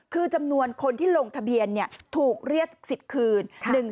คือจำนวนคนที่ลงทะเบียนถูกเรียกสิทธิ์คืน